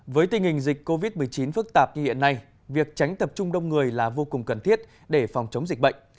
với tình hình dịch covid một mươi chín phức tạp như hiện nay việc tránh tập trung đông người là vô cùng cần thiết để phòng chống dịch bệnh